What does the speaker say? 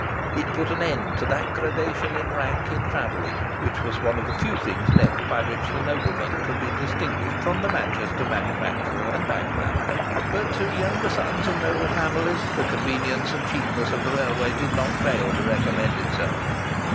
It put an end to that gradation of rank in travelling which was one of the few things left by which the nobleman could be distinguished from the Manchester manufacturer and bagman. But to younger sons of noble families the convenience and cheapness of the railway did not fail to recommend itself.